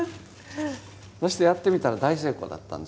そしてやってみたら大成功だったんです。